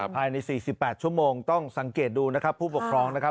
ภายใน๔๘ชั่วโมงต้องสังเกตดูนะครับผู้ปกครองนะครับ